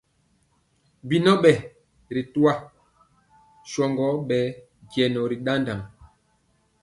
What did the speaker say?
Binɔn ɓɛ ri toyee sɔgɔ ɓɛ jɛnjɔ ri ɗaɗaŋ.